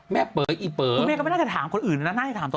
แม่เก๋เญ่ก็ไม่น่าจะถามคนอื่นน่ะน่าจะถามตัวเอง